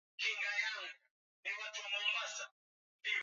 habari rafiki unaweza ukatuma ujumbe mfupi wa maandishi